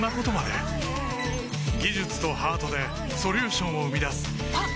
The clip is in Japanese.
技術とハートでソリューションを生み出すあっ！